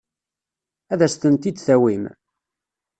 Ad as-tent-id-tawim?